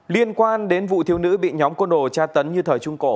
liên quan đến vụ thiêu nữ bị nhóm côn đồ tra tấn như thời trung cổ